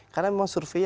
karena memang survei